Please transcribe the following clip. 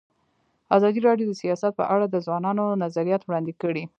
ازادي راډیو د سیاست په اړه د ځوانانو نظریات وړاندې کړي.